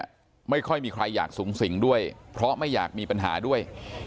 ไม่ค่อยมีใครอยากสูงสิงด้วยเพราะไม่อยากมีปัญหาด้วย